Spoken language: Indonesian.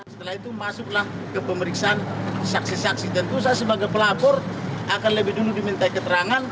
setelah itu masuklah ke pemeriksaan saksi saksi tentu saya sebagai pelapor akan lebih dulu diminta keterangan